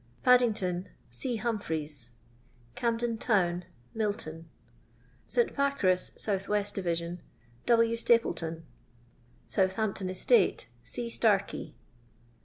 Paddin^Tton C. Humphries. Camden town Milton. St. Pancra.^. S.W. Division W. Stanleton. Southampton estate C. Starkey.